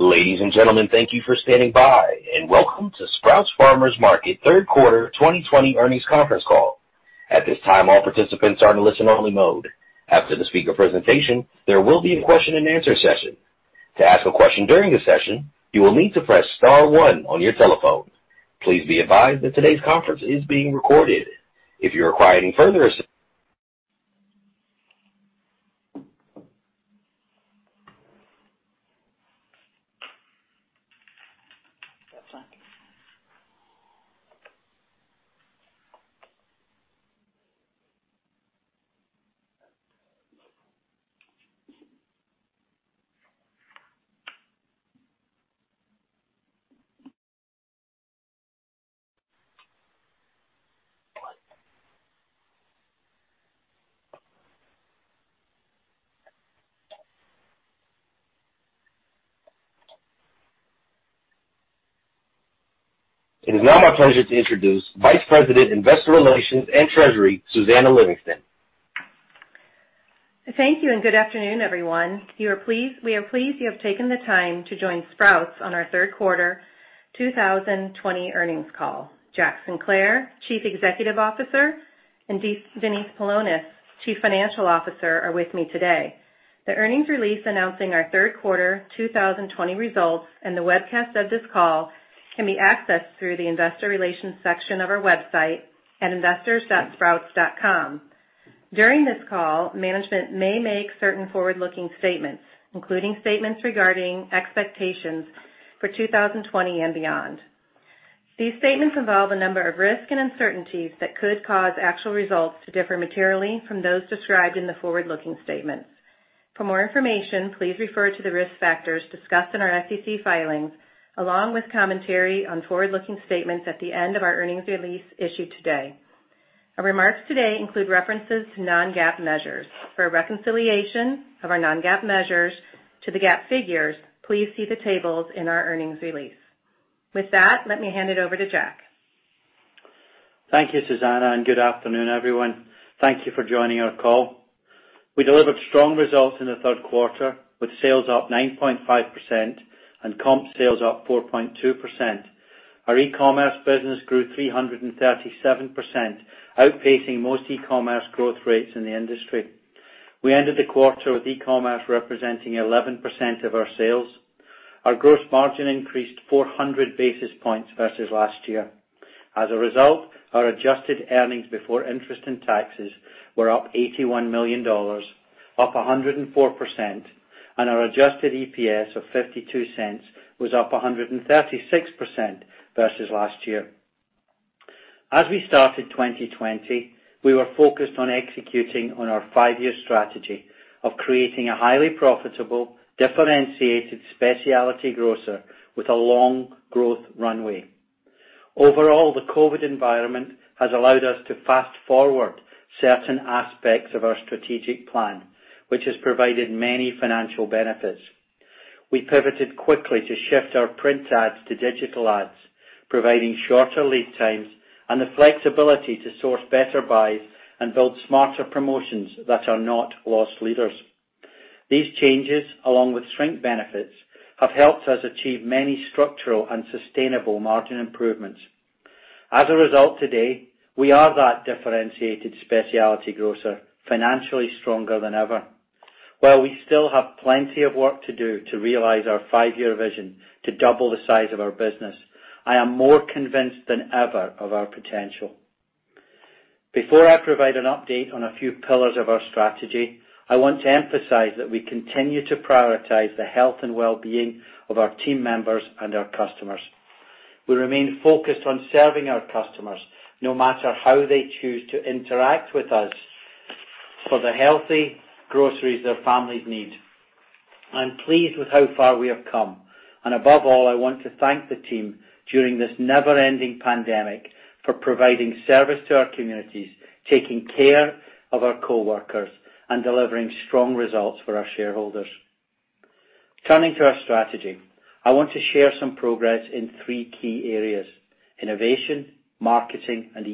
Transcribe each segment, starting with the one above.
Ladies and gentlemen, thank you for standing by, and welcome to Sprouts Farmers Market third quarter 2020 earnings conference call. At this time, all participants are in listen only mode. After the speaker presentation, there will be a question and answer session. To ask a question during the session, you will need to press star one on your telephone. Please be advised that today's conference is being recorded. It is now my pleasure to introduce Vice President, Investor Relations and Treasury, Susannah Livingston. Thank you, good afternoon, everyone. We are pleased you have taken the time to join Sprouts on our third quarter 2020 earnings call. Jack Sinclair, Chief Executive Officer, and Denise Paulonis, Chief Financial Officer, are with me today. The earnings release announcing our third quarter 2020 results, and the webcast of this call can be accessed through the investor relations section of our website at investors.sprouts.com. During this call, management may make certain forward-looking statements, including statements regarding expectations for 2020 and beyond. These statements involve a number of risks and uncertainties that could cause actual results to differ materially from those described in the forward-looking statements. For more information, please refer to the risk factors discussed in our SEC filings, along with commentary on forward-looking statements at the end of our earnings release issued today. Our remarks today include references to non-GAAP measures. For a reconciliation of our non-GAAP measures to the GAAP figures, please see the tables in our earnings release. With that, let me hand it over to Jack. Thank you, Susannah, good afternoon, everyone. Thank you for joining our call. We delivered strong results in the third quarter, with sales up 9.5% and comp sales up 4.2%. Our e-commerce business grew 337%, outpacing most e-commerce growth rates in the industry. We ended the quarter with e-commerce representing 11% of our sales. Our gross margin increased 400 basis points versus last year. As a result, our adjusted earnings before interest and taxes were up $81 million, up 104%, and our adjusted EPS of $0.52 was up 136% versus last year. As we started 2020, we were focused on executing on our five-year strategy of creating a highly profitable, differentiated specialty grocer with a long growth runway. Overall, the COVID environment has allowed us to fast forward certain aspects of our strategic plan, which has provided many financial benefits. We pivoted quickly to shift our print ads to digital ads, providing shorter lead times and the flexibility to source better buys and build smarter promotions that are not loss leaders. These changes, along with shrink benefits, have helped us achieve many structural and sustainable margin improvements. As a result, today, we are that differentiated specialty grocer, financially stronger than ever. While we still have plenty of work to do to realize our five-year vision to double the size of our business, I am more convinced than ever of our potential. Before I provide an update on a few pillars of our strategy, I want to emphasize that we continue to prioritize the health and wellbeing of our team members and our customers. We remain focused on serving our customers, no matter how they choose to interact with us, for the healthy groceries their families need. I'm pleased with how far we have come, and above all, I want to thank the team during this never-ending pandemic for providing service to our communities, taking care of our coworkers, and delivering strong results for our shareholders. Turning to our strategy, I want to share some progress in three key areas: innovation, marketing, and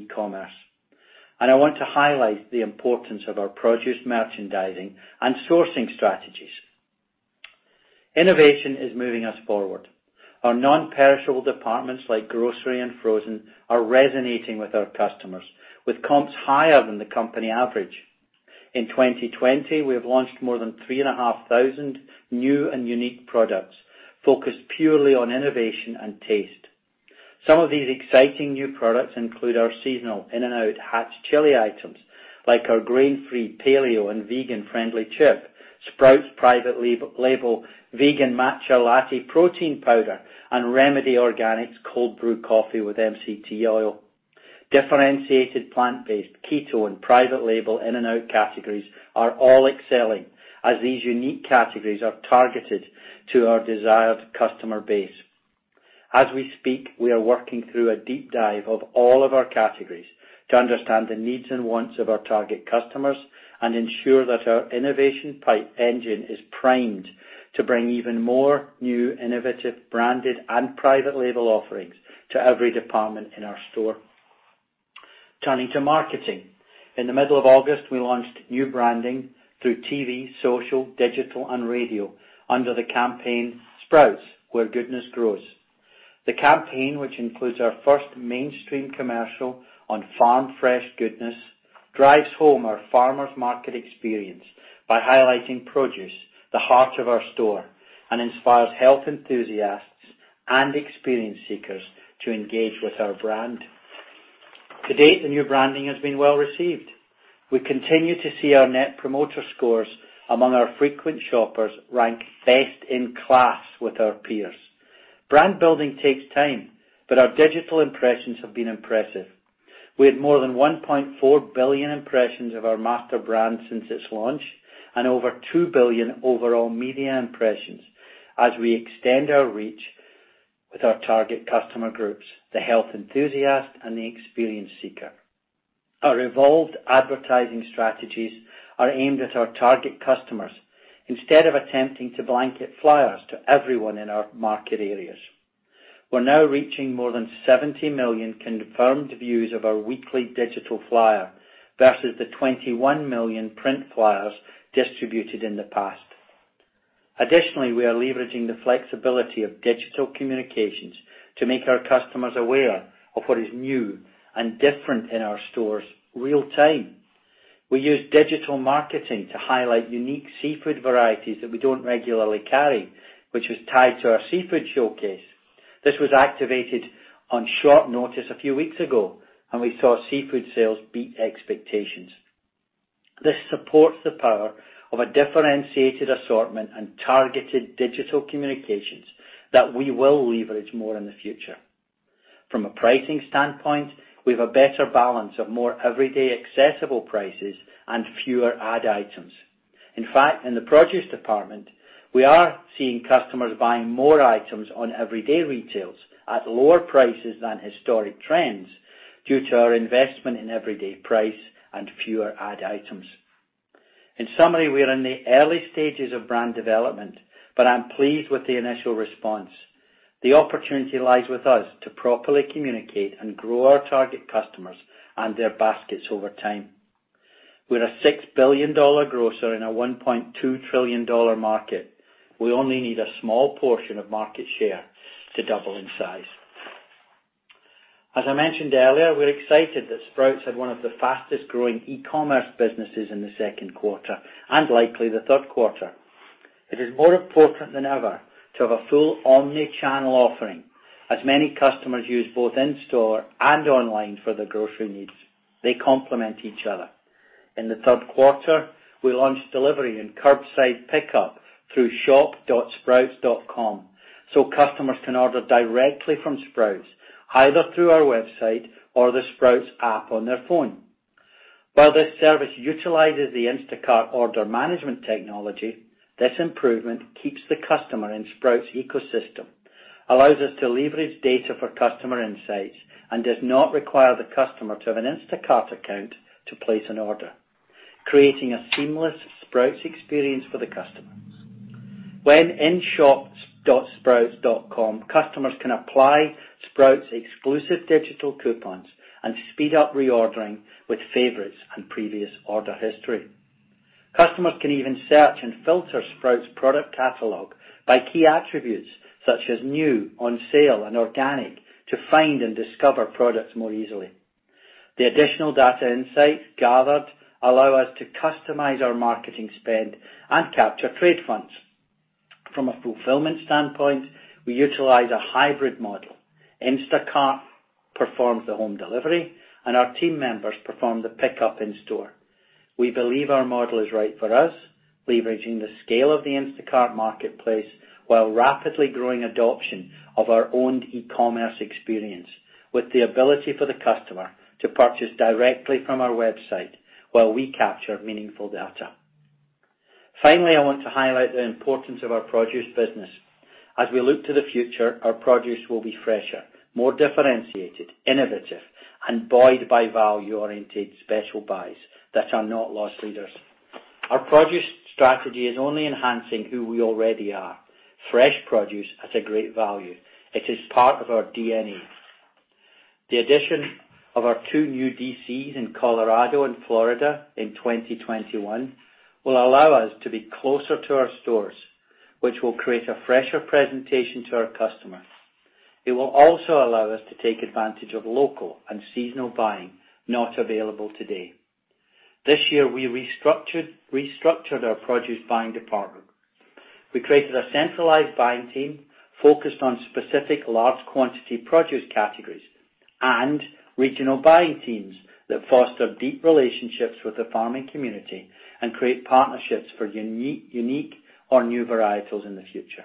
e-commerce. I want to highlight the importance of our produce merchandising and sourcing strategies. Innovation is moving us forward. Our non-perishable departments, like grocery and frozen, are resonating with our customers, with comps higher than the company average. In 2020, we have launched more than 3,500 new and unique products focused purely on innovation and taste. Some of these exciting new products include our seasonal in and out Hatch chile items like our grain-free paleo and vegan-friendly chip, Sprouts private label vegan matcha latte protein powder, and Remedy Organics cold brew coffee with MCT oil. Differentiated plant-based keto and private label in and out categories are all excelling, as these unique categories are targeted to our desired customer base. As we speak, we are working through a deep dive of all of our categories to understand the needs and wants of our target customers and ensure that our innovation pipeline is primed to bring even more new, innovative, branded, and private label offerings to every department in our store. Turning to marketing. In the middle of August, we launched new branding through TV, social, digital, and radio under the campaign, Sprouts, Where Goodness Grows. The campaign, which includes our first mainstream commercial on farm fresh goodness, drives home our farmer's market experience by highlighting produce, the heart of our store, and inspires health enthusiasts and experience seekers to engage with our brand. To date, the new branding has been well received. We continue to see our net promoter scores among our frequent shoppers rank best in class with our peers. Brand building takes time, but our digital impressions have been impressive. We had more than 1.4 billion impressions of our master brand since its launch, and over two billion overall media impressions as we extend our reach with our target customer groups, the health enthusiast and the experience seeker. Our evolved advertising strategies are aimed at our target customers instead of attempting to blanket flyers to everyone in our market areas. We're now reaching more than 70 million confirmed views of our weekly digital flyer versus the 21 million print flyers distributed in the past. Additionally, we are leveraging the flexibility of digital communications to make our customers aware of what is new and different in our stores in real time. We use digital marketing to highlight unique seafood varieties that we don't regularly carry, which was tied to our seafood showcase. This was activated on short notice a few weeks ago, and we saw seafood sales beat expectations. This supports the power of a differentiated assortment and targeted digital communications that we will leverage more in the future. From a pricing standpoint, we have a better balance of more everyday accessible prices and fewer ad items. In fact, in the produce department, we are seeing customers buying more items on everyday retails at lower prices than historic trends due to our investment in everyday price and fewer ad items. In summary, we are in the early stages of brand development, but I'm pleased with the initial response. The opportunity lies with us to properly communicate and grow our target customers and their baskets over time. We're a $6 billion grocer in a $1.2 trillion market. We only need a small portion of market share to double in size. As I mentioned earlier, we're excited that Sprouts had one of the fastest-growing e-commerce businesses in the second quarter, and likely the third quarter. It is more important than ever to have a full omni-channel offering, as many customers use both in-store and online for their grocery needs. They complement each other. In the third quarter, we launched delivery and curbside pickup through shop.sprouts.com, so customers can order directly from Sprouts, either through our website or the Sprouts app on their phone. While this service utilizes the Instacart order management technology, this improvement keeps the customer in Sprouts ecosystem, allows us to leverage data for customer insights, and does not require the customer to have an Instacart account to place an order, creating a seamless Sprouts experience for the customers. When in shop.sprouts.com, customers can apply Sprouts exclusive digital coupons and speed up reordering with favorites and previous order history. Customers can even search and filter Sprouts product catalog by key attributes such as new, on sale, and organic to find and discover products more easily. The additional data insights gathered allow us to customize our marketing spend and capture trade funds. From a fulfillment standpoint, we utilize a hybrid model. Instacart performs the home delivery, and our team members perform the pickup in store. We believe our model is right for us, leveraging the scale of the Instacart marketplace while rapidly growing adoption of our owned e-commerce experience with the ability for the customer to purchase directly from our website while we capture meaningful data. Finally, I want to highlight the importance of our produce business. As we look to the future, our produce will be fresher, more differentiated, innovative, and buoyed by value-oriented special buys that are not loss leaders. Our produce strategy is only enhancing who we already are, fresh produce at a great value. It is part of our DNA. The addition of our two new DCs in Colorado and Florida in 2021 will allow us to be closer to our stores, which will create a fresher presentation to our customers. It will also allow us to take advantage of local and seasonal buying not available today. This year, we restructured our produce buying department. We created a centralized buying team focused on specific large quantity produce categories and regional buying teams that foster deep relationships with the farming community and create partnerships for unique or new varietals in the future.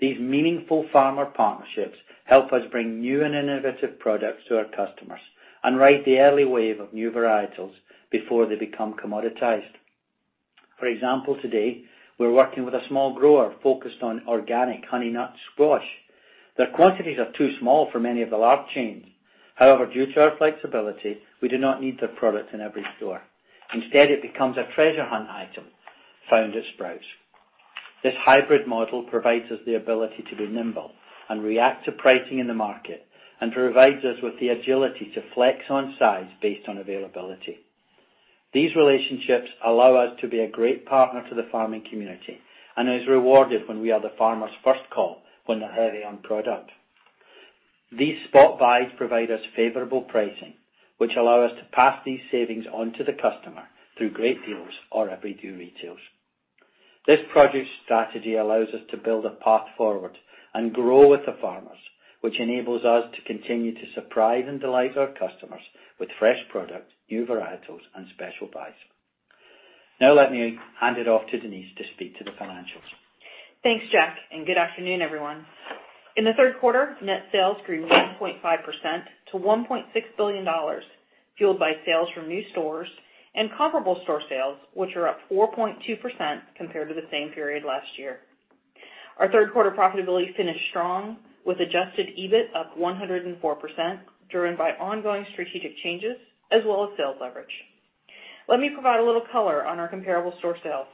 These meaningful farmer partnerships help us bring new and innovative products to our customers and ride the early wave of new varietals before they become commoditized. For example, today, we're working with a small grower focused on organic honeynut squash. Their quantities are too small for many of the large chains. However, due to our flexibility, we do not need their product in every store. Instead, it becomes a treasure hunt item found at Sprouts. This hybrid model provides us the ability to be nimble and react to pricing in the market, and provides us with the agility to flex on size based on availability. These relationships allow us to be a great partner to the farming community, and is rewarded when we are the farmer's first call when they're heavy on product. These spot buys provide us favorable pricing, which allow us to pass these savings on to the customer through great deals or every two retails. This produce strategy allows us to build a path forward and grow with the farmers, which enables us to continue to surprise and delight our customers with fresh product, new varietals, and special buys. Now let me hand it off to Denise to speak to the financials. Thanks, Jack. Good afternoon, everyone. In the third quarter, net sales grew 1.5% to $1.6 billion, fueled by sales from new stores and comparable store sales, which are up 4.2% compared to the same period last year. Our third quarter profitability finished strong with Adjusted EBIT up 104%, driven by ongoing strategic changes as well as sales leverage. Let me provide a little color on our comparable store sales.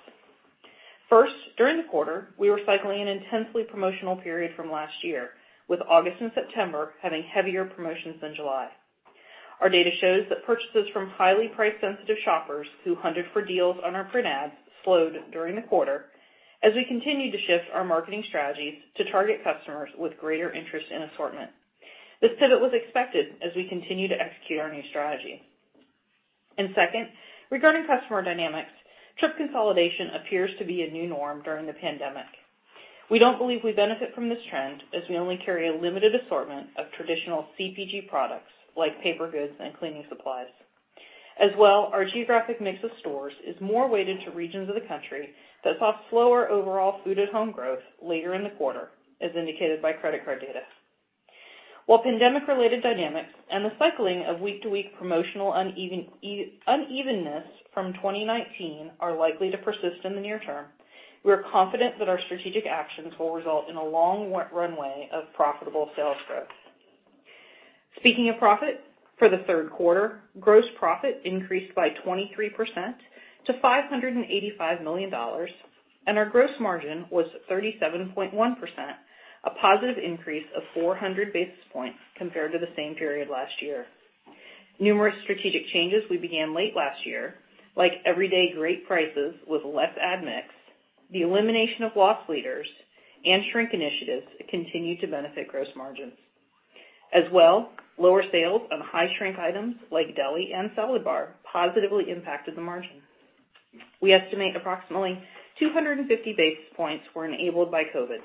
First, during the quarter, we were cycling an intensely promotional period from last year, with August and September having heavier promotions than July. Our data shows that purchases from highly price-sensitive shoppers who hunted for deals on our print ads slowed during the quarter as we continued to shift our marketing strategies to target customers with greater interest in assortment. This pivot was expected as we continue to execute our new strategy. Second, regarding customer dynamics, trip consolidation appears to be a new norm during the pandemic. We don't believe we benefit from this trend as we only carry a limited assortment of traditional CPG products like paper goods and cleaning supplies. Our geographic mix of stores is more weighted to regions of the country that saw slower overall food at home growth later in the quarter, as indicated by credit card data. While pandemic-related dynamics and the cycling of week-to-week promotional unevenness from 2019 are likely to persist in the near term, we're confident that our strategic actions will result in a long runway of profitable sales growth. Speaking of profit, for the third quarter, gross profit increased by 23% to $585 million. Our gross margin was 37.1%, a positive increase of 400 basis points compared to the same period last year. Numerous strategic changes we began late last year, like everyday great prices with less ad mix, the elimination of loss leaders, and shrink initiatives, continue to benefit gross margins. Lower sales of high shrink items like deli and salad bar positively impacted the margin. We estimate approximately 250 basis points were enabled by COVID.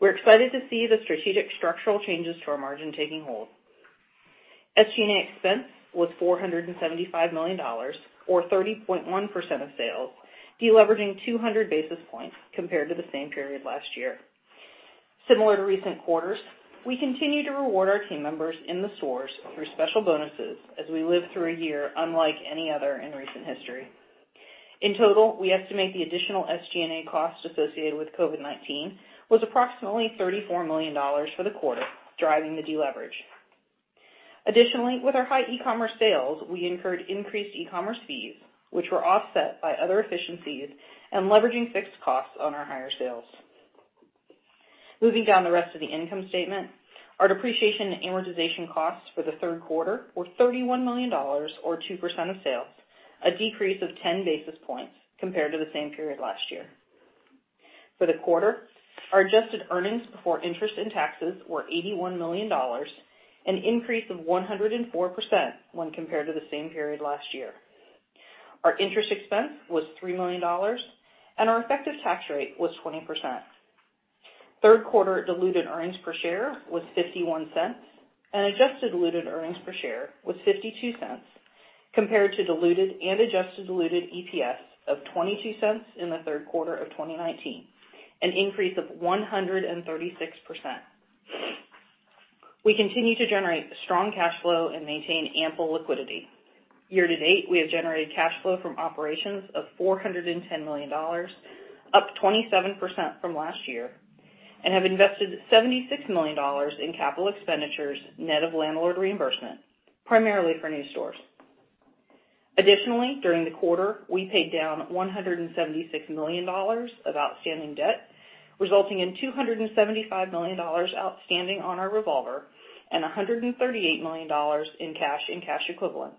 We're excited to see the strategic structural changes to our margin taking hold. SG&A expense was $475 million, or 30.1% of sales, deleveraging 200 basis points compared to the same period last year. Similar to recent quarters, we continue to reward our team members in the stores through special bonuses as we live through a year unlike any other in recent history. In total, we estimate the additional SG&A cost associated with COVID-19 was approximately $34 million for the quarter, driving the deleverage. Additionally, with our high e-commerce sales, we incurred increased e-commerce fees, which were offset by other efficiencies and leveraging fixed costs on our higher sales. Moving down the rest of the income statement, our depreciation and amortization costs for the third quarter were $31 million or 2% of sales, a decrease of 10 basis points compared to the same period last year. For the quarter, our adjusted earnings before interest and taxes were $81 million, an increase of 104% when compared to the same period last year. Our interest expense was $3 million, and our effective tax rate was 20%. Third quarter diluted earnings per share was $0.51 and adjusted diluted earnings per share was $0.52, compared to diluted and adjusted diluted EPS of $0.22 in the third quarter of 2019, an increase of 136%. We continue to generate strong cash flow and maintain ample liquidity. Year to date, we have generated cash flow from operations of $410 million, up 27% from last year, and have invested $76 million in capital expenditures net of landlord reimbursement, primarily for new stores. Additionally, during the quarter, we paid down $176 million of outstanding debt, resulting in $275 million outstanding on our revolver and $138 million in cash and cash equivalents.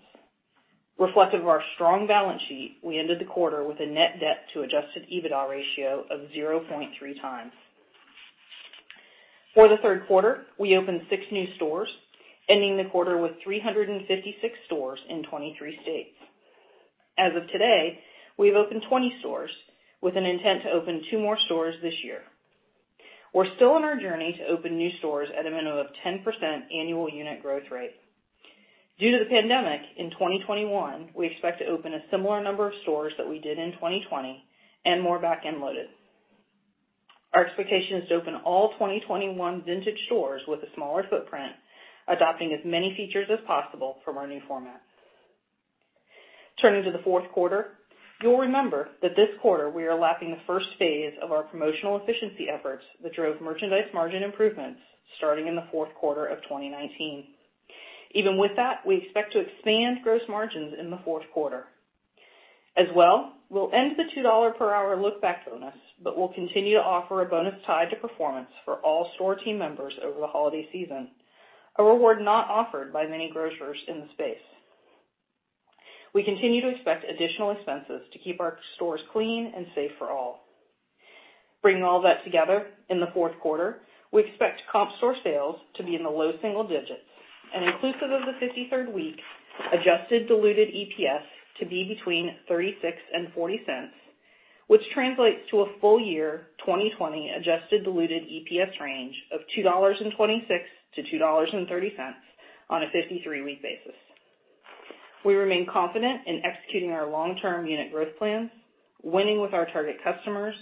Reflective of our strong balance sheet, we ended the quarter with a net debt to Adjusted EBITDA ratio of 0.3 times. For the third quarter, we opened six new stores, ending the quarter with 356 stores in 23 states. As of today, we've opened 20 stores with an intent to open two more stores this year. We're still on our journey to open new stores at a minimum of 10% annual unit growth rate. Due to the pandemic, in 2021, we expect to open a similar number of stores that we did in 2020 and more back-end loaded. Our expectation is to open all 2021 vintage stores with a smaller footprint, adopting as many features as possible from our new format. Turning to the fourth quarter, you'll remember that this quarter we are lapping the first phase of our promotional efficiency efforts that drove merchandise margin improvements starting in the fourth quarter of 2019. Even with that, we expect to expand gross margins in the fourth quarter. As well, we'll end the $2 per hour look-back bonus, but we'll continue to offer a bonus tied to performance for all store team members over the holiday season, a reward not offered by many grocers in the space. We continue to expect additional expenses to keep our stores clean and safe for all. Bringing all that together, in the fourth quarter, we expect comp store sales to be in the low single digits, inclusive of the 53rd week, adjusted diluted EPS to be between $0.36 and $0.40, which translates to a full year 2020 adjusted diluted EPS range of $2.26 to $2.30 on a 53-week basis. We remain confident in executing our long-term unit growth plans, winning with our target customers,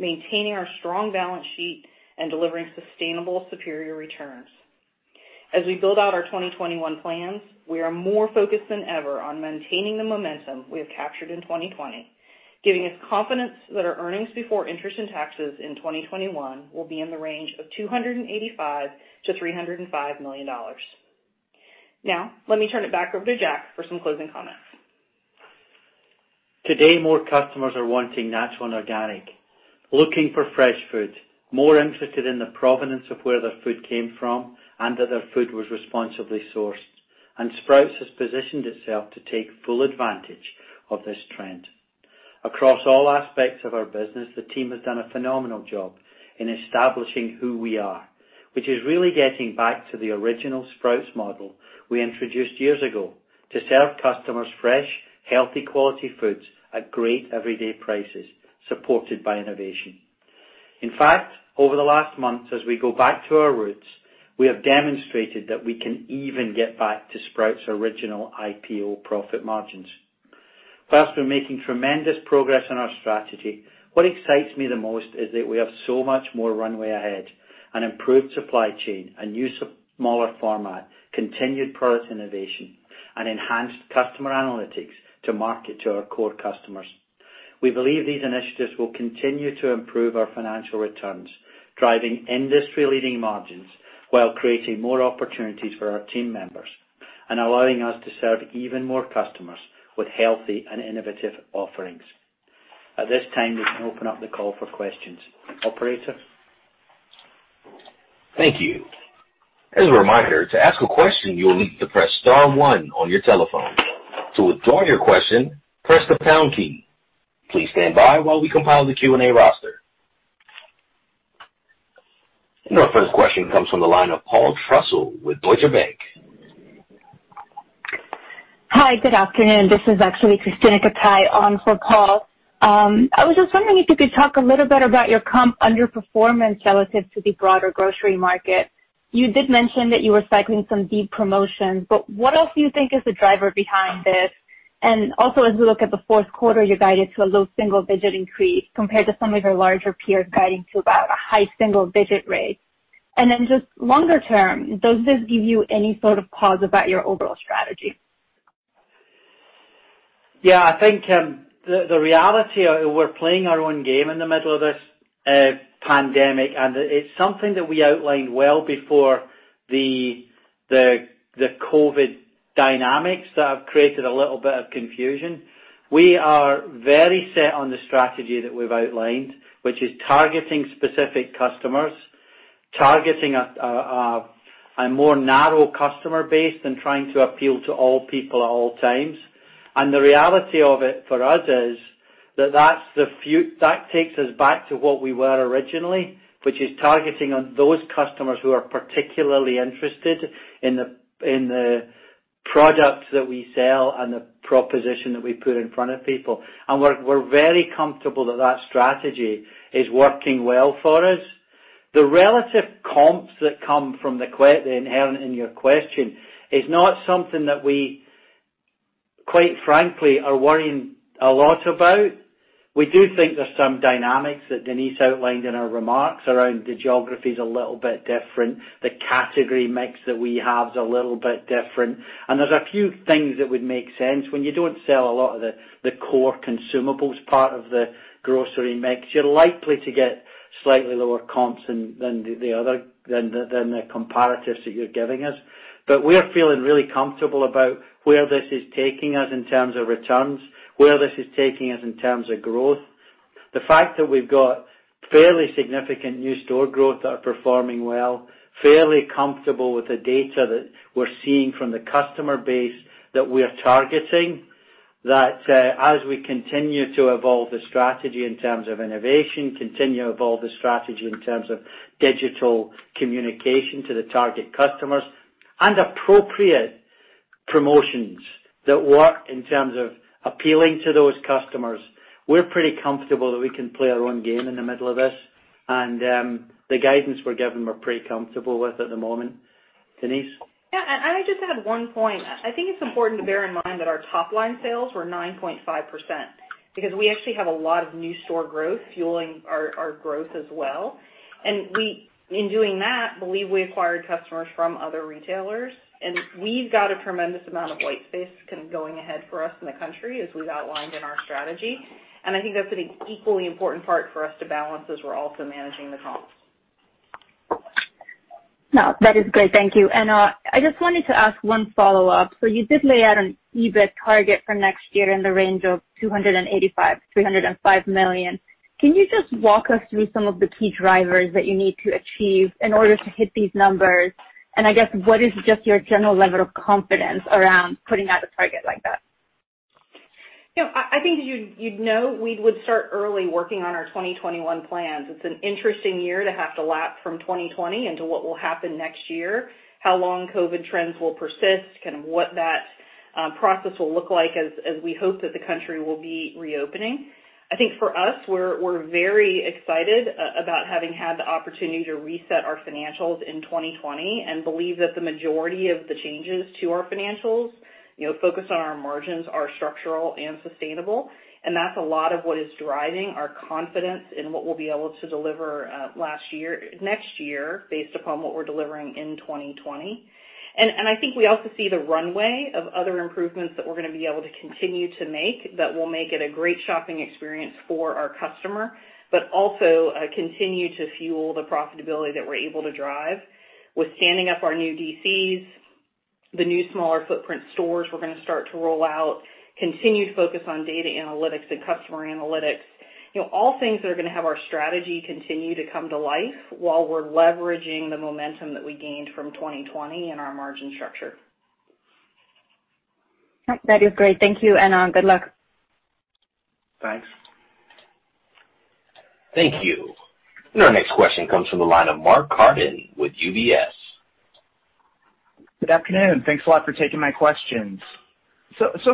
maintaining our strong balance sheet, and delivering sustainable superior returns. As we build out our 2021 plans, we are more focused than ever on maintaining the momentum we have captured in 2020, giving us confidence that our earnings before interest and taxes in 2021 will be in the range of $285 million-$305 million. Let me turn it back over to Jack for some closing comments. Today, more customers are wanting natural and organic, looking for fresh food, more interested in the provenance of where their food came from, and that their food was responsibly sourced. Sprouts has positioned itself to take full advantage of this trend. Across all aspects of our business, the team has done a phenomenal job in establishing who we are, which is really getting back to the original Sprouts model we introduced years ago to serve customers fresh, healthy, quality foods at great everyday prices, supported by innovation. In fact, over the last months, as we go back to our roots, we have demonstrated that we can even get back to Sprouts' original IPO profit margins. Whilst we're making tremendous progress on our strategy, what excites me the most is that we have so much more runway ahead, an improved supply chain, a new, smaller format, continued product innovation, and enhanced customer analytics to market to our core customers. We believe these initiatives will continue to improve our financial returns, driving industry-leading margins while creating more opportunities for our team members and allowing us to serve even more customers with healthy and innovative offerings. At this time, we can open up the call for questions. Operator? Thank you. As a reminder, to ask a question, you will need to press star one on your telephone. To withdraw your question, press the pound key. Please stand by while we compile the Q&A roster. Our first question comes from the line of Paul Trussell with Deutsche Bank. Hi, good afternoon. This is actually Krisztina Katai on for Paul. I was just wondering if you could talk a little bit about your comp underperformance relative to the broader grocery market. You did mention that you were cycling some deep promotions, but what else do you think is the driver behind this? As we look at the fourth quarter, you guided to a low single-digit increase compared to some of your larger peers guiding to about a high single-digit rate. Just longer term, does this give you any sort of pause about your overall strategy? I think the reality, we're playing our own game in the middle of this pandemic, and it's something that we outlined well before the COVID dynamics that have created a little bit of confusion. We are very set on the strategy that we've outlined, which is targeting specific customers, targeting a more narrow customer base than trying to appeal to all people at all times. The reality of it for us is that takes us back to what we were originally, which is targeting on those customers who are particularly interested in the products that we sell and the proposition that we put in front of people. We're very comfortable that that strategy is working well for us. The relative comps that come inherent in your question is not something that we, quite frankly, are worrying a lot about. We do think there's some dynamics that Denise outlined in her remarks around the geography's a little bit different, the category mix that we have is a little bit different. There's a few things that would make sense. When you don't sell a lot of the core consumables part of the grocery mix, you're likely to get slightly lower comps than the comparatives that you're giving us. We're feeling really comfortable about where this is taking us in terms of returns, where this is taking us in terms of growth. The fact that we've got fairly significant new store growth that are performing well, fairly comfortable with the data that we're seeing from the customer base that we're targeting, that as we continue to evolve the strategy in terms of innovation, continue to evolve the strategy in terms of digital communication to the target customers and appropriate promotions that work in terms of appealing to those customers, we're pretty comfortable that we can play our own game in the middle of this. The guidance we're given, we're pretty comfortable with at the moment. Denise? Yeah, I'd just add one point. I think it's important to bear in mind that our top-line sales were 9.5%, because we actually have a lot of new store growth fueling our growth as well. We, in doing that, believe we acquired customers from other retailers, and we've got a tremendous amount of white space going ahead for us in the country as we've outlined in our strategy. I think that's an equally important part for us to balance as we're also managing the comps. No, that is great. Thank you. I just wanted to ask one follow-up. You did lay out an EBIT target for next year in the range of $285 million-$305 million. Can you just walk us through some of the key drivers that you need to achieve in order to hit these numbers? I guess, what is just your general level of confidence around putting out a target like that? I think you'd know we would start early working on our 2021 plans. It's an interesting year to have to lap from 2020 into what will happen next year, how long COVID trends will persist, kind of what that process will look like as we hope that the country will be reopening. I think for us, we're very excited about having had the opportunity to reset our financials in 2020 and believe that the majority of the changes to our financials, focused on our margins, are structural and sustainable. That's a lot of what is driving our confidence in what we'll be able to deliver next year based upon what we're delivering in 2020. I think we also see the runway of other improvements that we're going to be able to continue to make that will make it a great shopping experience for our customer, but also continue to fuel the profitability that we're able to drive with standing up our new DCs, the new smaller footprint stores we're going to start to roll out, continued focus on data analytics and customer analytics. All things that are going to have our strategy continue to come to life while we're leveraging the momentum that we gained from 2020 and our margin structure. Yep, that is great. Thank you, and good luck. Thanks. Thank you. Our next question comes from the line of Mark Carden with UBS. Good afternoon. Thanks a lot for taking my questions.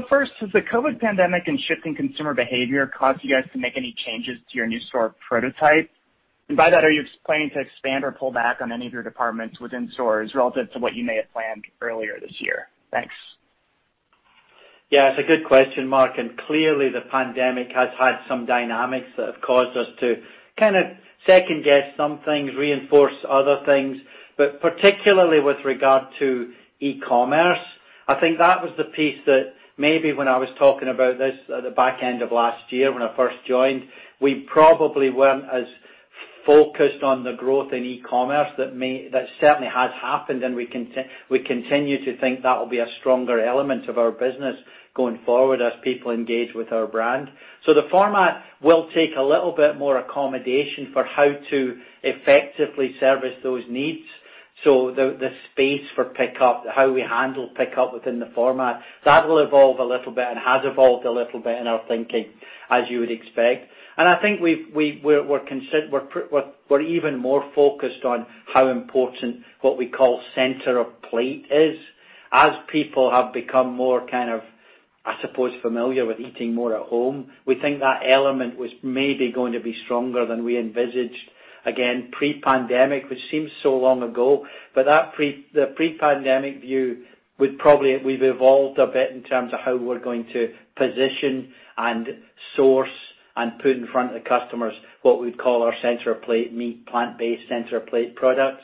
First, has the COVID pandemic and shifting consumer behavior caused you guys to make any changes to your new store prototype? By that, are you planning to expand or pull back on any of your departments within stores relative to what you may have planned earlier this year? Thanks. It's a good question, Mark, and clearly the pandemic has had some dynamics that have caused us to kind of second guess some things, reinforce other things, but particularly with regard to e-commerce. I think that was the piece that maybe when I was talking about this at the back end of last year when I first joined, we probably weren't as focused on the growth in e-commerce that certainly has happened, and we continue to think that will be a stronger element of our business going forward as people engage with our brand. The format will take a little bit more accommodation for how to effectively service those needs. The space for pickup, how we handle pickup within the format, that will evolve a little bit and has evolved a little bit in our thinking, as you would expect. I think we're even more focused on how important what we call center of plate is. As people have become more, kind of, I suppose, familiar with eating more at home, we think that element was maybe going to be stronger than we envisaged, again, pre-pandemic, which seems so long ago. We've evolved a bit in terms of how we're going to position and source and put in front of the customers what we'd call our center of plate meat, plant-based center of plate products.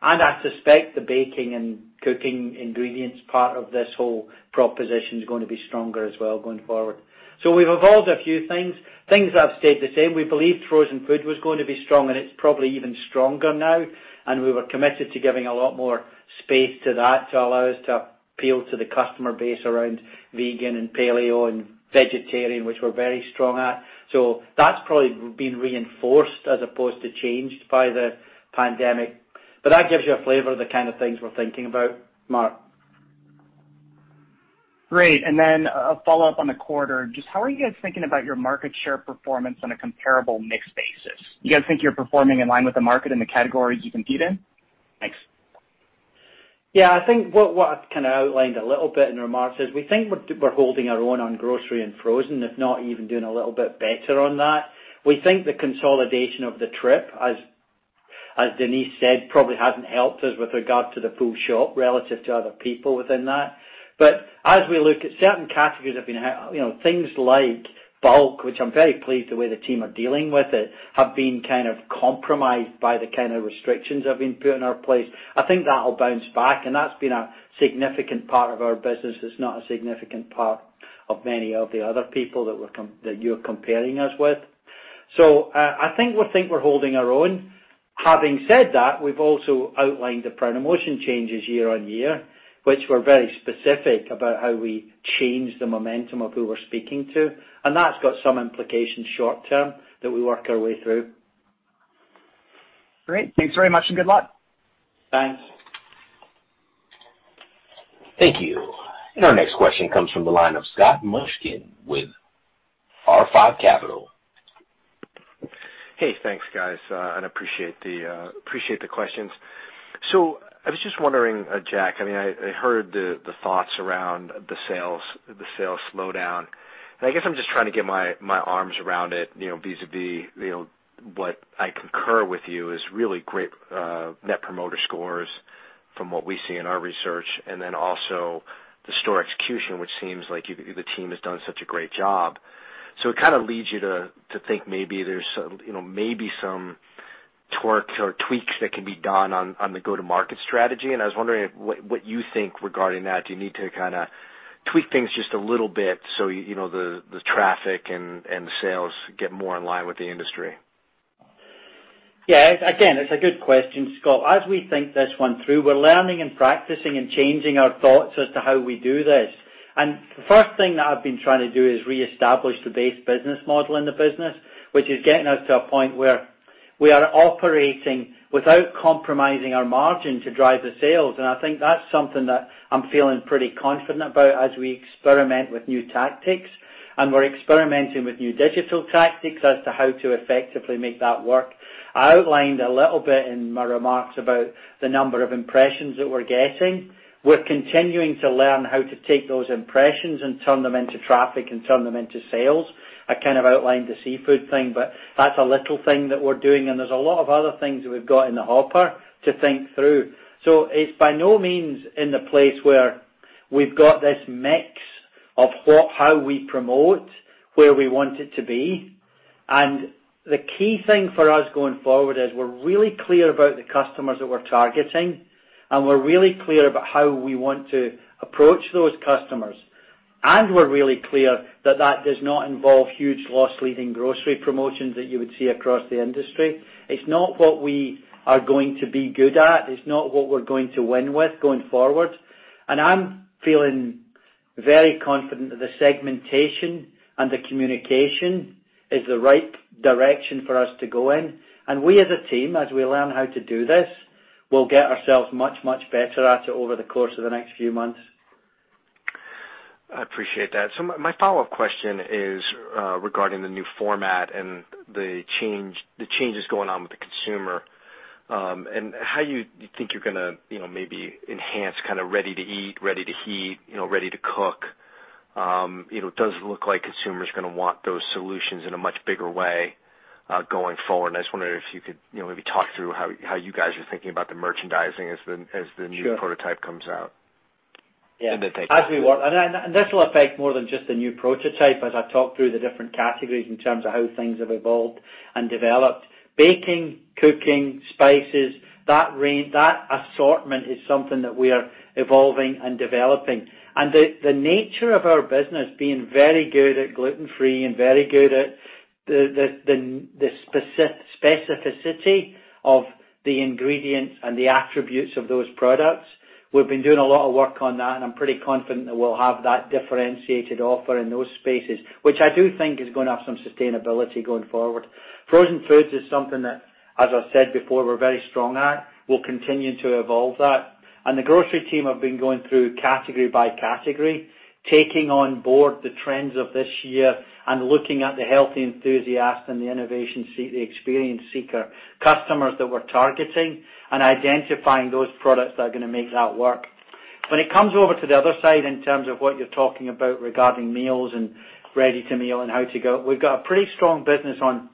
I suspect the baking and cooking ingredients part of this whole proposition is going to be stronger as well going forward. We've evolved a few things. Things have stayed the same. We believed frozen food was going to be strong, and it's probably even stronger now, and we were committed to giving a lot more space to that to allow us to appeal to the customer base around vegan and paleo and vegetarian, which we're very strong at. That's probably been reinforced as opposed to changed by the pandemic. That gives you a flavor of the kind of things we're thinking about, Mark. Great. Then a follow-up on the quarter. Just how are you guys thinking about your market share performance on a comparable mix basis? You guys think you're performing in line with the market in the categories you compete in? Thanks. I think what I've kind of outlined a little bit in remarks is we think we're holding our own on grocery and frozen, if not even doing a little bit better on that. We think the consolidation of the trip, as Denise said, probably hasn't helped us with regard to the full shop relative to other people within that. As we look at certain categories, things like bulk, which I'm very pleased the way the team are dealing with it, have been kind of compromised by the kind of restrictions that have been put in our place. I think that'll bounce back, and that's been a significant part of our business that's not a significant part of many of the other people that you're comparing us with. I think we're holding our own. Having said that, we've also outlined the promotion changes year-over-year, which were very specific about how we change the momentum of who we're speaking to, and that's got some implications short term that we work our way through. Great. Thanks very much and good luck. Thanks. Thank you. Our next question comes from the line of Scott Mushkin with R5 Capital. Hey, thanks, guys, and appreciate the questions. I was just wondering, Jack, I heard the thoughts around the sales slowdown, and I guess I'm just trying to get my arms around it, vis-a-vis what I concur with you is really great net promoter scores from what we see in our research and then also the store execution, which seems like the team has done such a great job. It kind of leads you to think maybe there's some tweaks that can be done on the go-to-market strategy, and I was wondering what you think regarding that. Do you need to kind of- tweak things just a little bit so the traffic and the sales get more in line with the industry? Yeah. Again, it's a good question, Scott. As we think this one through, we're learning and practicing and changing our thoughts as to how we do this. The first thing that I've been trying to do is reestablish the base business model in the business, which is getting us to a point where we are operating without compromising our margin to drive the sales. I think that's something that I'm feeling pretty confident about as we experiment with new tactics. We're experimenting with new digital tactics as to how to effectively make that work. I outlined a little bit in my remarks about the number of impressions that we're getting. We're continuing to learn how to take those impressions and turn them into traffic and turn them into sales. I kind of outlined the seafood thing, but that's a little thing that we're doing, and there's a lot of other things that we've got in the hopper to think through. It's by no means in the place where we've got this mix of how we promote, where we want it to be. The key thing for us going forward is we're really clear about the customers that we're targeting, and we're really clear about how we want to approach those customers. We're really clear that does not involve huge loss-leading grocery promotions that you would see across the industry. It's not what we are going to be good at. It's not what we're going to win with going forward. I'm feeling very confident that the segmentation and the communication is the right direction for us to go in. We, as a team, as we learn how to do this, will get ourselves much, much better at it over the course of the next few months. I appreciate that. My follow-up question is regarding the new format and the changes going on with the consumer, and how you think you're going to maybe enhance ready to eat, ready to heat, ready to cook. It does look like consumers are going to want those solutions in a much bigger way going forward, and I just wondered if you could maybe talk through how you guys are thinking about the merchandising. Sure New prototype comes out. Yeah. In the takeaway. This will affect more than just the new prototype as I talk through the different categories in terms of how things have evolved and developed. Baking, cooking, spices, that assortment is something that we are evolving and developing. The nature of our business being very good at gluten-free and very good at the specificity of the ingredients and the attributes of those products, we've been doing a lot of work on that, and I'm pretty confident that we'll have that differentiated offer in those spaces, which I do think is going to have some sustainability going forward. Frozen foods is something that, as I said before, we're very strong at. We'll continue to evolve that. The grocery team have been going through category by category, taking on board the trends of this year and looking at the healthy enthusiast and the innovation experience seeker customers that we're targeting and identifying those products that are going to make that work. When it comes over to the other side in terms of what you're talking about regarding meals and ready-to-meal and how to go, we've got a pretty strong business on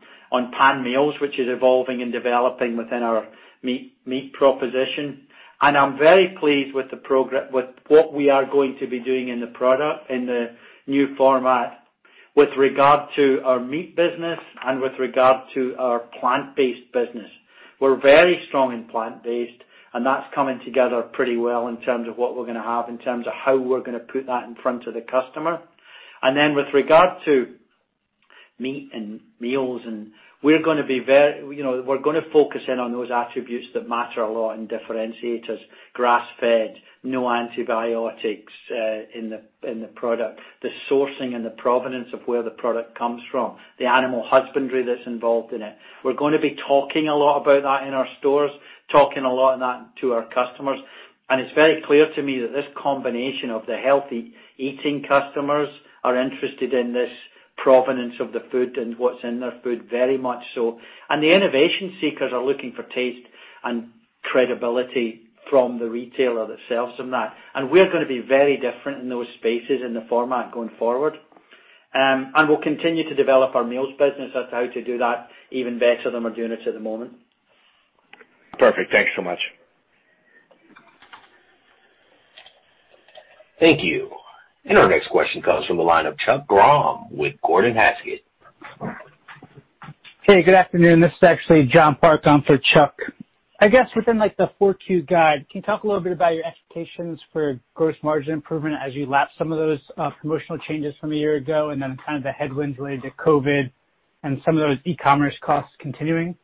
pan meals, which is evolving and developing within our meat proposition. I'm very pleased with what we are going to be doing in the product, in the new format with regard to our meat business and with regard to our plant-based business. We're very strong in plant-based, that's coming together pretty well in terms of what we're going to have, in terms of how we're going to put that in front of the customer. Then with regard to meat and meals, we're going to focus in on those attributes that matter a lot in differentiators. Grass-fed, no antibiotics in the product, the sourcing and the provenance of where the product comes from, the animal husbandry that's involved in it. We're going to be talking a lot about that in our stores, talking a lot on that to our customers. It's very clear to me that this combination of the healthy eating customers are interested in this provenance of the food and what's in their food very much so. The innovation seekers are looking for taste and credibility from the retailer that sells them that. We're going to be very different in those spaces in the format going forward. We'll continue to develop our meals business as to how to do that even better than we're doing it at the moment. Perfect. Thanks so much. Thank you. Our next question comes from the line of Chuck Grom with Gordon Haskett. Hey, good afternoon. This is actually John Park on for Chuck. I guess within the Q4 guide, can you talk a little bit about your expectations for gross margin improvement as you lap some of those promotional changes from a year ago, and then kind of the headwinds related to COVID and some of those e-commerce costs continuing?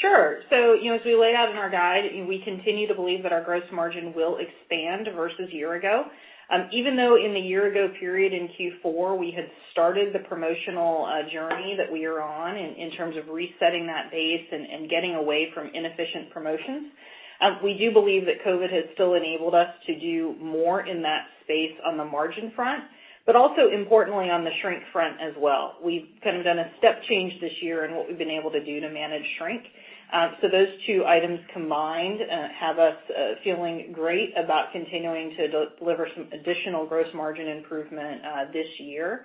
Sure. As we laid out in our guide, we continue to believe that our gross margin will expand versus year ago. Even though in the year ago period in Q4, we had started the promotional journey that we are on in terms of resetting that base and getting away from inefficient promotions. We do believe COVID has still enabled us to do more in that space on the margin front, but also importantly on the shrink front as well. We've kind of done a step change this year in what we've been able to do to manage shrink. Those two items combined have us feeling great about continuing to deliver some additional gross margin improvement this year.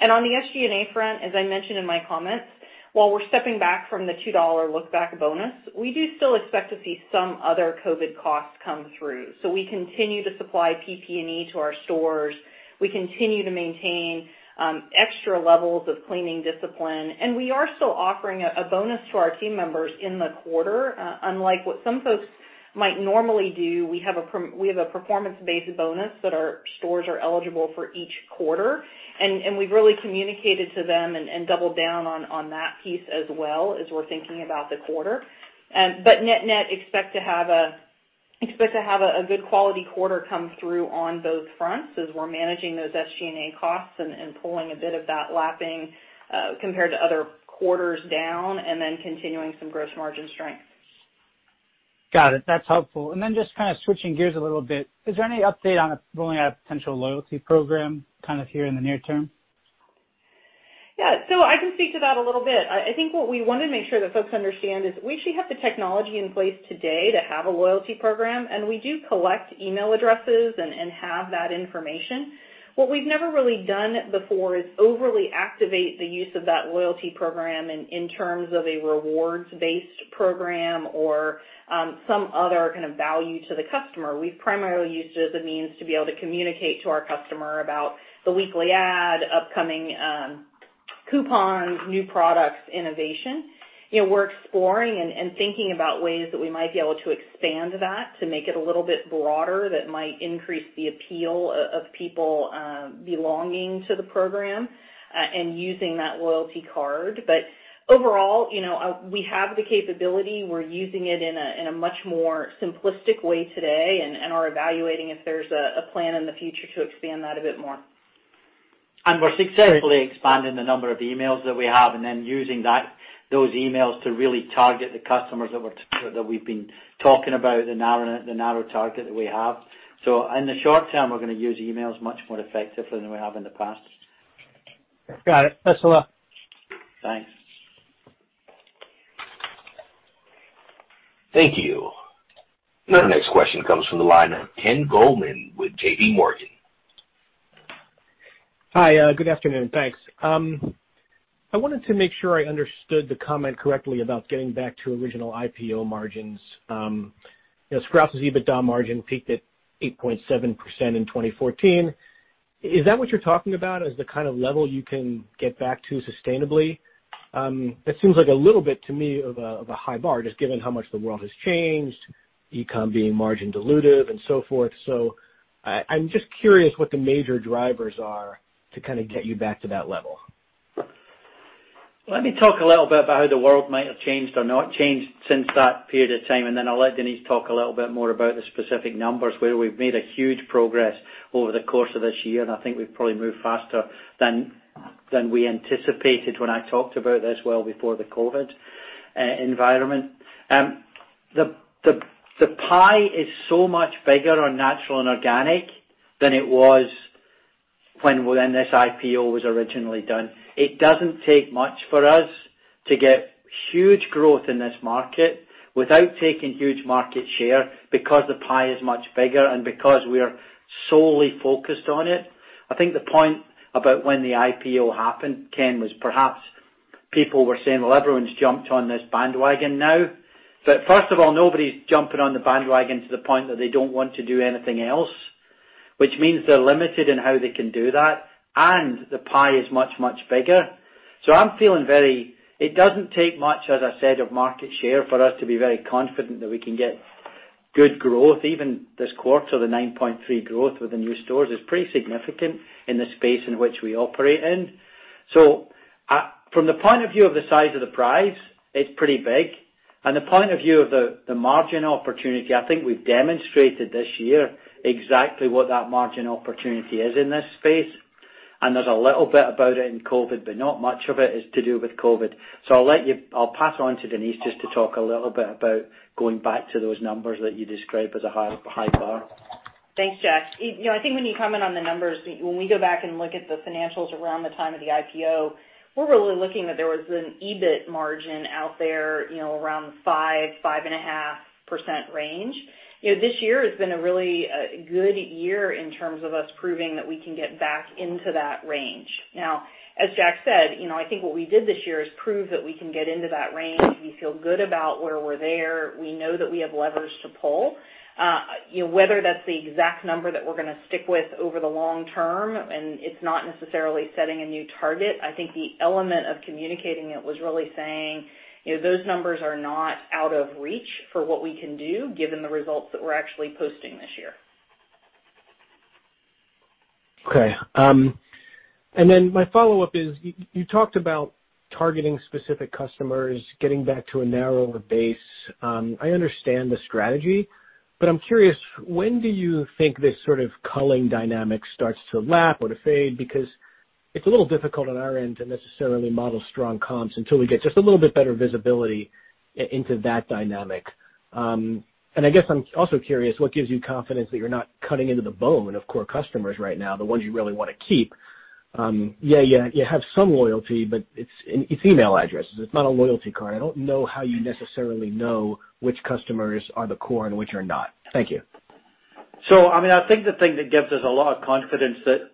On the SG&A front, as I mentioned in my comments, while we're stepping back from the $2 look-back bonus, we do still expect to see some other COVID costs come through. We continue to supply PPE to our stores. We continue to maintain extra levels of cleaning discipline, and we are still offering a bonus to our team members in the quarter. Unlike what some folks might normally do, we have a performance-based bonus that our stores are eligible for each quarter, and we've really communicated to them and doubled down on that piece as well as we're thinking about the quarter. Net net, expect to have a good quality quarter come through on both fronts as we're managing those SG&A costs and pulling a bit of that lapping compared to other quarters down, and then continuing some gross margin strength. Got it. That's helpful. Just kind of switching gears a little bit, is there any update on rolling out a potential loyalty program kind of here in the near term? Yeah. I can speak to that a little bit. I think what we want to make sure that folks understand is we actually have the technology in place today to have a loyalty program, and we do collect email addresses and have that information. What we've never really done before is overly activate the use of that loyalty program in terms of a rewards-based program or some other kind of value to the customer. We've primarily used it as a means to be able to communicate to our customer about the weekly ad, upcoming coupons, new products, innovation. We're exploring and thinking about ways that we might be able to expand that to make it a little bit broader, that might increase the appeal of people belonging to the program, and using that loyalty card. Overall, we have the capability. We're using it in a much more simplistic way today and are evaluating if there's a plan in the future to expand that a bit more. We're successfully expanding the number of emails that we have and then using those emails to really target the customers that we've been talking about, the narrow target that we have. In the short term, we're going to use emails much more effectively than we have in the past. Got it. Thanks a lot. Thanks. Thank you. Our next question comes from the line of Ken Goldman with JP Morgan. Hi, good afternoon. Thanks. I wanted to make sure I understood the comment correctly about getting back to original IPO margins. Sprouts' EBITDA margin peaked at 8.7% in 2014. Is that what you're talking about as the kind of level you can get back to sustainably? That seems like a little bit, to me, of a high bar, just given how much the world has changed, e-com being margin dilutive and so forth. I'm just curious what the major drivers are to kind of get you back to that level. Let me talk a little bit about how the world might have changed or not changed since that period of time. I'll let Denise talk a little bit more about the specific numbers, where we've made a huge progress over the course of this year, and I think we've probably moved faster than we anticipated when I talked about this well before the COVID environment. The pie is so much bigger on natural and organic than it was when this IPO was originally done. It doesn't take much for us to get huge growth in this market without taking huge market share because the pie is much bigger and because we are solely focused on it. I think the point about when the IPO happened, Ken, was perhaps people were saying, Well, everyone's jumped on this bandwagon now. First of all, nobody's jumping on the bandwagon to the point that they don't want to do anything else, which means they're limited in how they can do that, and the pie is much, much bigger. I'm feeling very-- it doesn't take much, as I said, of market share for us to be very confident that we can get good growth. Even this quarter, the 9.3% growth with the new stores is pretty significant in the space in which we operate in. From the point of view of the size of the prize, it's pretty big. The point of view of the margin opportunity, I think we've demonstrated this year exactly what that margin opportunity is in this space. There's a little bit about it in COVID, but not much of it is to do with COVID. I'll pass on to Denise just to talk a little bit about going back to those numbers that you describe as a high bar. Thanks, Jack. I think when you comment on the numbers, when we go back and look at the financials around the time of the IPO, we're really looking that there was an EBIT margin out there around the 5.5% range. This year has been a really good year in terms of us proving that we can get back into that range. As Jack said, I think what we did this year is prove that we can get into that range. We feel good about where we're there. We know that we have levers to pull. Whether that's the exact number that we're going to stick with over the long term, and it's not necessarily setting a new target, I think the element of communicating it was really saying those numbers are not out of reach for what we can do, given the results that we're actually posting this year. Okay. My follow-up is, you talked about targeting specific customers, getting back to a narrower base. I understand the strategy, but I'm curious, when do you think this sort of culling dynamic starts to lap or to fade? Because it's a little difficult on our end to necessarily model strong comps until we get just a little bit better visibility into that dynamic. I guess I'm also curious what gives you confidence that you're not cutting into the bone of core customers right now, the ones you really want to keep. Yeah, you have some loyalty, but it's email addresses. It's not a loyalty card. I don't know how you necessarily know which customers are the core and which are not. Thank you. I think the thing that gives us a lot of confidence that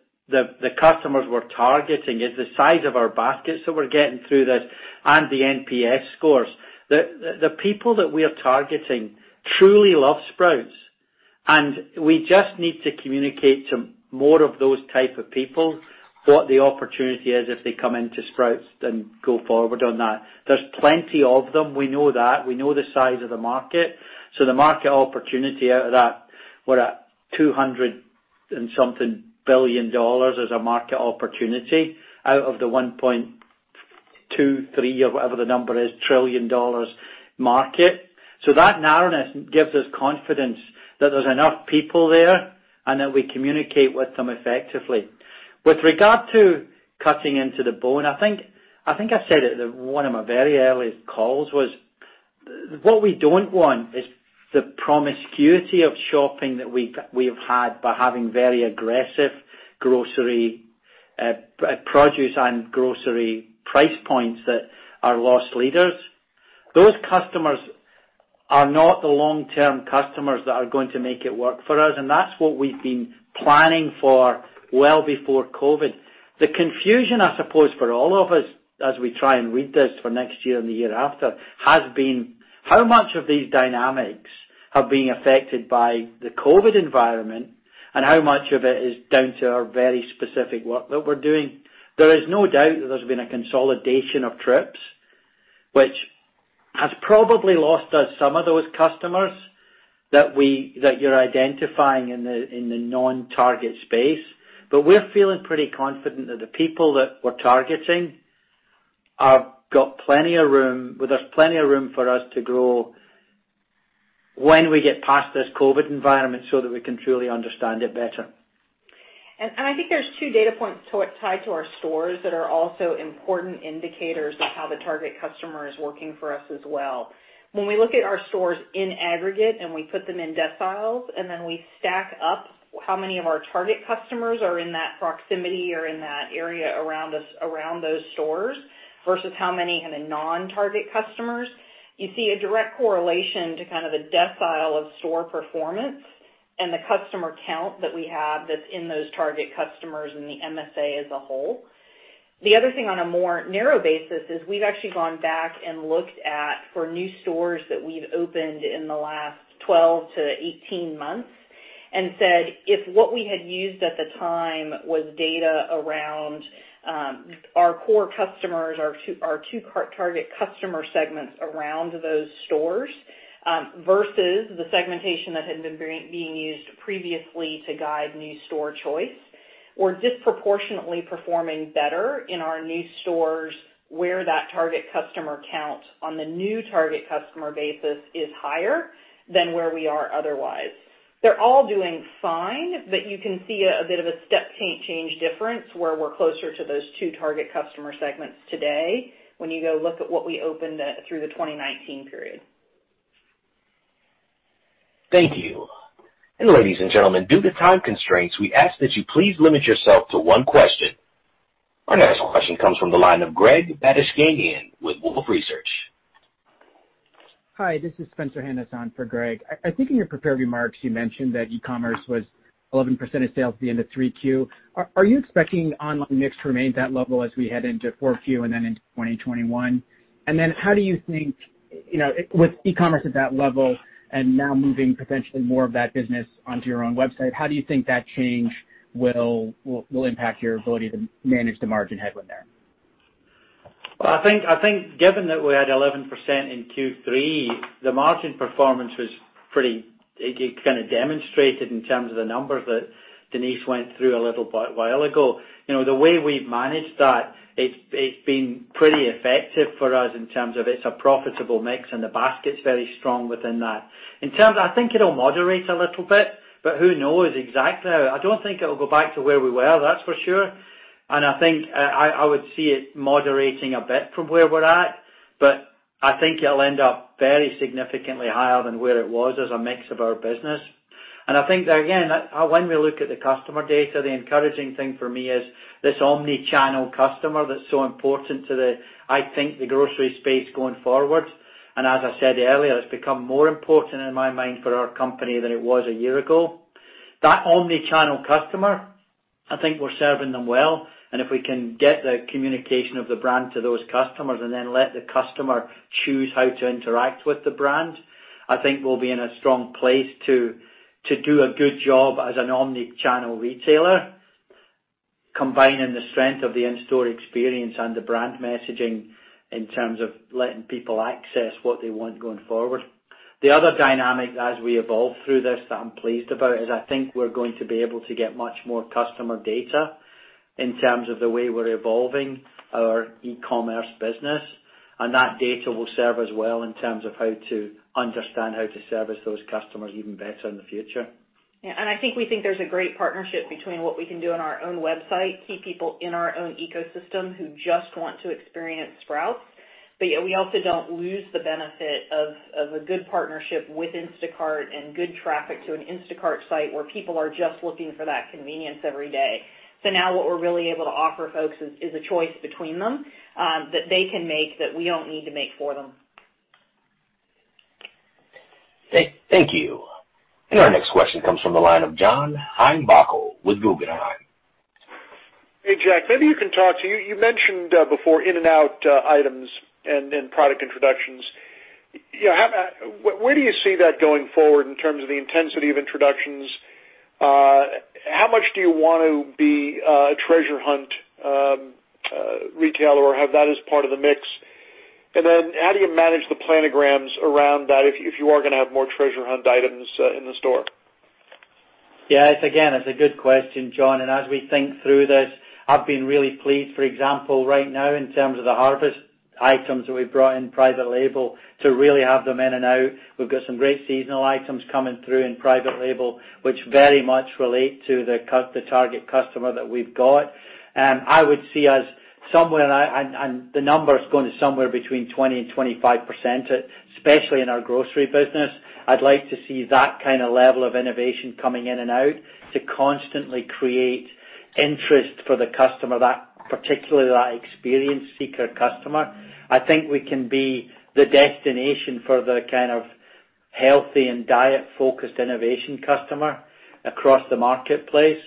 the customers we're targeting is the size of our baskets that we're getting through this and the NPS scores. The people that we are targeting truly love Sprouts. We just need to communicate to more of those type of people what the opportunity is if they come into Sprouts and go forward on that. There's plenty of them, we know that. We know the size of the market. The market opportunity out of that, we're at $200 and something billion as a market opportunity out of the $1.23, or whatever the number is, trillion market. That narrowness gives us confidence that there's enough people there and that we communicate with them effectively. With regard to cutting into the bone, I think I said it at one of my very earliest calls was, what we don't want is the promiscuity of shopping that we have had by having very aggressive grocery, produce and grocery price points that are loss leaders. Those customers are not the long-term customers that are going to make it work for us, and that's what we've been planning for well before COVID. The confusion, I suppose, for all of us as we try and read this for next year and the year after, has been how much of these dynamics are being affected by the COVID environment and how much of it is down to our very specific work that we're doing. There is no doubt that there's been a consolidation of trips, which has probably lost us some of those customers that you're identifying in the non-target space. We're feeling pretty confident that the people that we're targeting, there's plenty of room for us to grow when we get past this COVID environment so that we can truly understand it better. I think there's two data points tied to our stores that are also important indicators of how the target customer is working for us as well. When we look at our stores in aggregate, we put them in deciles, then we stack up how many of our target customers are in that proximity or in that area around those stores versus how many are the non-target customers, you see a direct correlation to kind of the decile of store performance and the customer count that we have that's in those target customers in the MSA as a whole. The other thing on a more narrow basis is we've actually gone back and looked at for new stores that we've opened in the last 12 to 18 months, and said, if what we had used at the time was data around our core customers, our two target customer segments around those stores, versus the segmentation that had been being used previously to guide new store choice. We're disproportionately performing better in our new stores where that target customer count on the new target customer basis is higher than where we are otherwise. They're all doing fine, but you can see a bit of a step change difference where we're closer to those two target customer segments today when you go look at what we opened through the 2019 period. Thank you. Ladies and gentlemen, due to time constraints, we ask that you please limit yourself to one question. Our next question comes from the line of Greg Badishkanian with Wolfe Research. Hi, this is Spencer Hanason for Greg. I think in your prepared remarks, you mentioned that e-commerce was 11% of sales at the end of three Q. Are you expecting online mix to remain at that level as we head into four Q and then into 2021? How do you think, with e-commerce at that level and now moving potentially more of that business onto your own website, how do you think that change will impact your ability to manage the margin headwind there? I think given that we had 11% in Q3, it kind of demonstrated in terms of the numbers that Denise went through a little while ago. The way we've managed that, it's been pretty effective for us in terms of it's a profitable mix and the basket's very strong within that. I think it'll moderate a little bit, but who knows exactly how. I don't think it'll go back to where we were, that's for sure. I think I would see it moderating a bit from where we're at, but I think it'll end up very significantly higher than where it was as a mix of our business. I think there, again, when we look at the customer data, the encouraging thing for me is this omni-channel customer that's so important to, I think, the grocery space going forward. As I said earlier, it's become more important in my mind for our company than it was a year ago. That omni-channel customer, I think we're serving them well, and if we can get the communication of the brand to those customers and then let the customer choose how to interact with the brand, I think we'll be in a strong place to do a good job as an omni-channel retailer, combining the strength of the in-store experience and the brand messaging in terms of letting people access what they want going forward. The other dynamic as we evolve through this that I'm pleased about is I think we're going to be able to get much more customer data in terms of the way we're evolving our e-commerce business. That data will serve us well in terms of how to understand how to service those customers even better in the future. Yeah, I think we think there's a great partnership between what we can do on our own website, keep people in our own ecosystem who just want to experience Sprouts. Yet, we also don't lose the benefit of a good partnership with Instacart and good traffic to an Instacart site where people are just looking for that convenience every day. Now what we're really able to offer folks is a choice between them, that they can make, that we don't need to make for them. Thank you. Our next question comes from the line of John Heinbockel with Guggenheim. Hey, Jack, maybe you can talk to, you mentioned before in and out items and product introductions. Where do you see that going forward in terms of the intensity of introductions? How much do you want to be a treasure hunt retailer or have that as part of the mix? How do you manage the planograms around that if you are going to have more treasure hunt items in the store? Yes. Again, it's a good question, John. As we think through this, I've been really pleased, for example, right now, in terms of the harvest items that we've brought in private label to really have them in and out. We've got some great seasonal items coming through in private label, which very much relate to the target customer that we've got. I would see us somewhere, and the number is going to somewhere between 20% and 25%, especially in our grocery business. I'd like to see that kind of level of innovation coming in and out to constantly create interest for the customer, particularly that experience seeker customer. I think we can be the destination for the kind of healthy and diet-focused innovation customer across the marketplace.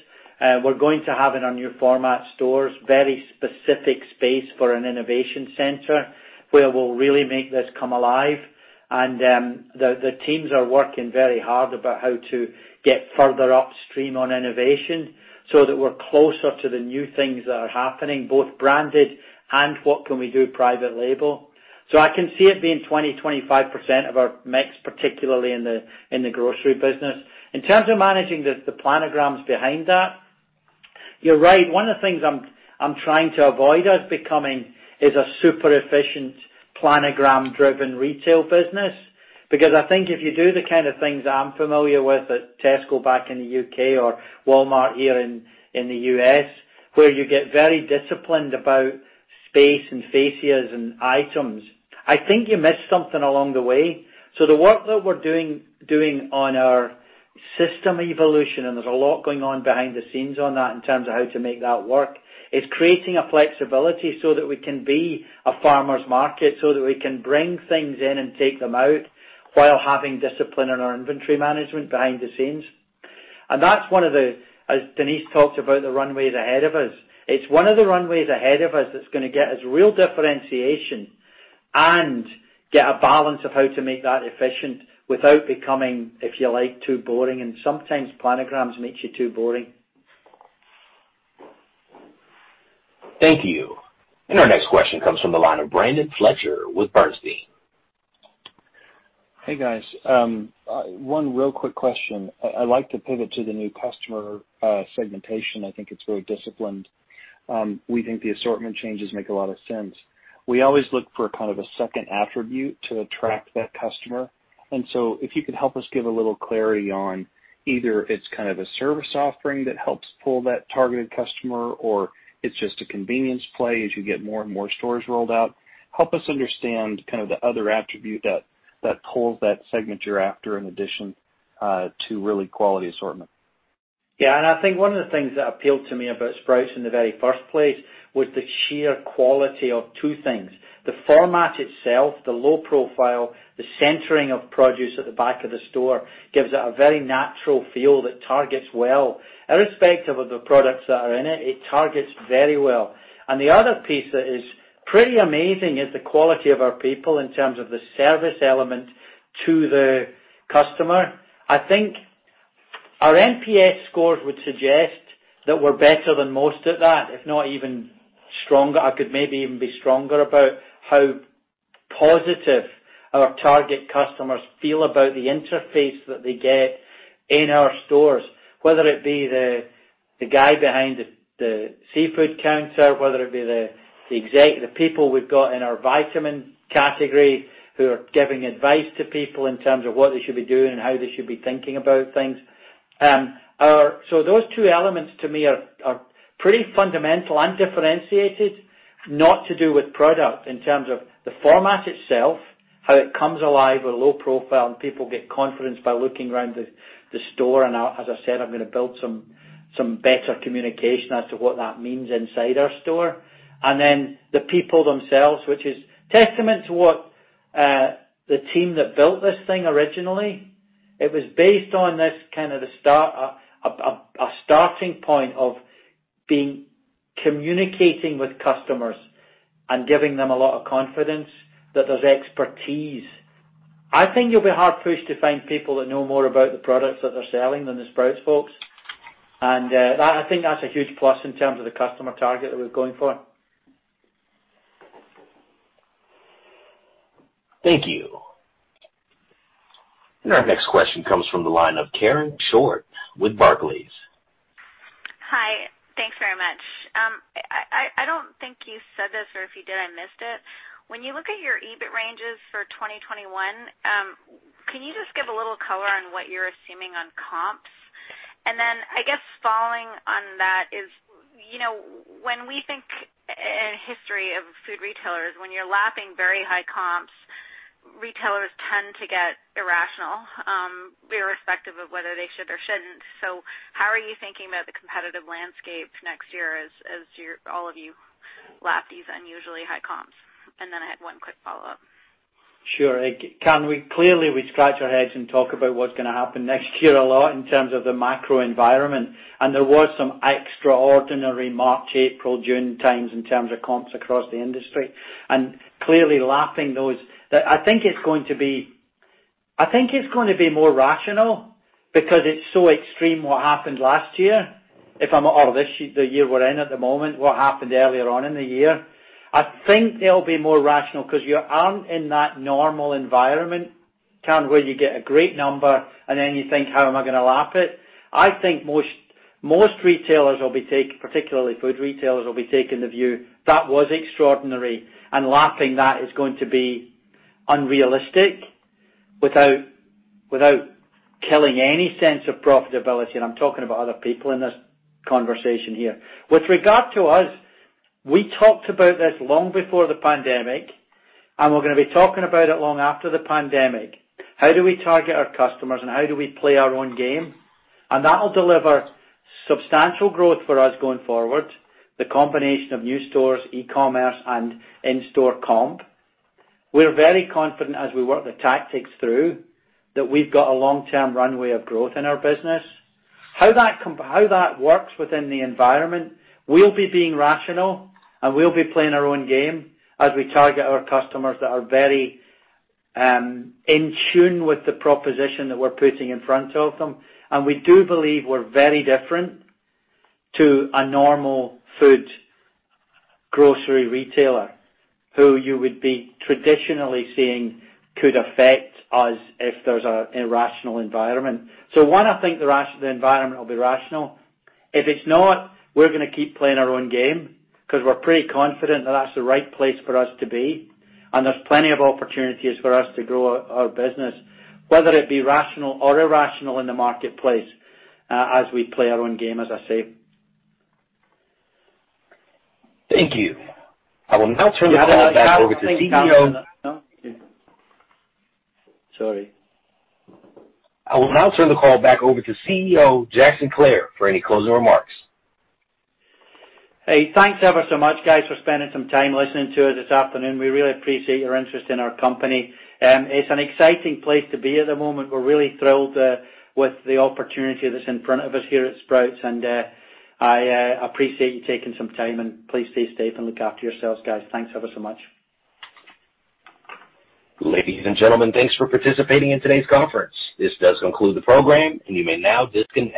We're going to have in our new format stores very specific space for an innovation center where we'll really make this come alive. The teams are working very hard about how to get further upstream on innovation so that we're closer to the new things that are happening, both branded and what can we do private label. I can see it being 20%, 25% of our mix, particularly in the grocery business. In terms of managing the planograms behind that, you're right. I think if you do the kind of things I'm familiar with at Tesco back in the U.K. or Walmart here in the U.S., where you get very disciplined about space and facias and items, I think you miss something along the way. The work that we're doing on our system evolution, and there's a lot going on behind the scenes on that in terms of how to make that work, is creating a flexibility so that we can be a farmers market, so that we can bring things in and take them out while having discipline in our inventory management behind the scenes. That's one of the, as Denise talked about, the runways ahead of us. It's one of the runways ahead of us that's going to get us real differentiation and get a balance of how to make that efficient without becoming, if you like, too boring. Sometimes planograms makes you too boring. Thank you. Our next question comes from the line of Brandon Fletcher with Bernstein. Hey, guys. One real quick question. I'd like to pivot to the new customer segmentation. I think it's very disciplined. We think the assortment changes make a lot of sense. We always look for kind of a second attribute to attract that customer. If you could help us give a little clarity on either it's kind of a service offering that helps pull that targeted customer or it's just a convenience play as you get more and more stores rolled out? Help us understand kind of the other attribute that pulls that segment you're after in addition to really quality assortment? Yeah, I think one of the things that appealed to me about Sprouts in the very first place was the sheer quality of two things. The format itself, the low profile, the centering of produce at the back of the store gives it a very natural feel that targets well. Irrespective of the products that are in it targets very well. The other piece that is pretty amazing is the quality of our people in terms of the service element to the customer. I think our NPS scores would suggest that we're better than most at that, if not even stronger. I could maybe even be stronger about how positive our target customers feel about the interface that they get in our stores, whether it be the guy behind the seafood counter, whether it be the people we've got in our vitamin category who are giving advice to people in terms of what they should be doing and how they should be thinking about things. Those two elements to me are pretty fundamental and differentiated, not to do with product in terms of the format itself, how it comes alive with low profile and people get confidence by looking around the store. As I said, I'm going to build some better communication as to what that means inside our store. The people themselves, which is testament to what the team that built this thing originally. It was based on this kind of a starting point of communicating with customers and giving them a lot of confidence that there's expertise. I think you'll be hard pushed to find people that know more about the products that they're selling than the Sprouts folks. I think that's a huge plus in terms of the customer target that we're going for. Thank you. Our next question comes from the line of Karen Short with Barclays. Hi. Thanks very much. I don't think you said this, or if you did, I missed it. When you look at your EBIT ranges for 2021, can you just give a little color on what you're assuming on comps? I guess following on that is when we think in history of food retailers, when you're lapping very high comps, retailers tend to get irrational, irrespective of whether they should or shouldn't. How are you thinking about the competitive landscape next year as all of you lap these unusually high comps? I had one quick follow-up. Sure. Karen, clearly we scratch our heads and talk about what's going to happen next year a lot in terms of the macro environment. There was some extraordinary March, April, June times in terms of comps across the industry, and clearly lapping those. I think it's going to be more rational because it's so extreme what happened last year, or the year we're in at the moment, what happened earlier on in the year. I think they'll be more rational because you aren't in that normal environment, Karen, where you get a great number and then you think, How am I going to lap it? I think most retailers, particularly food retailers, will be taking the view, that was extraordinary, and lapping that is going to be unrealistic without killing any sense of profitability, and I'm talking about other people in this conversation here. With regard to us, we talked about this long before the pandemic, and we're going to be talking about it long after the pandemic. How do we target our customers, and how do we play our own game? That'll deliver substantial growth for us going forward, the combination of new stores, e-commerce, and in-store comp. We're very confident as we work the tactics through, that we've got a long-term runway of growth in our business. How that works within the environment, we'll be being rational, and we'll be playing our own game as we target our customers that are very in tune with the proposition that we're putting in front of them. We do believe we're very different to a normal food grocery retailer, who you would be traditionally seeing could affect us if there's an irrational environment. One, I think the environment will be rational. If it's not, we're going to keep playing our own game, because we're pretty confident that that's the right place for us to be. There's plenty of opportunities for us to grow our business, whether it be rational or irrational in the marketplace, as we play our own game, as I say. Thank you. I will now turn the call back over to CEO. Sorry. I will now turn the call back over to CEO Jack Sinclair for any closing remarks. Hey, thanks ever so much, guys, for spending some time listening to us this afternoon. We really appreciate your interest in our company. It's an exciting place to be at the moment. We're really thrilled with the opportunity that's in front of us here at Sprouts, and I appreciate you taking some time, and please stay safe and look after yourselves, guys. Thanks ever so much. Ladies and gentlemen, thanks for participating in today's conference. This does conclude the program, and you may now disconnect.